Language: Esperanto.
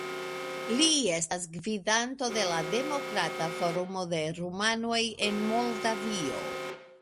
Li estas gvidanto de la Demokrata Forumo de Rumanoj en Moldavio.